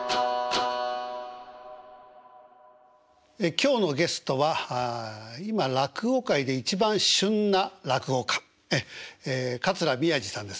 今日のゲストは今落語界で一番旬な落語家桂宮治さんです